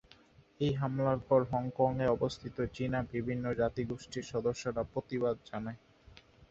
এই হামলার পর হংকংয়ে অবস্থিত চীনা বিভিন্ন জাতিগোষ্ঠীর সদস্যরা প্রতিবাদ জানায়।